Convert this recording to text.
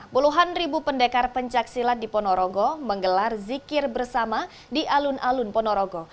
puluhan ribu pendekar pencaksilat di ponorogo menggelar zikir bersama di alun alun ponorogo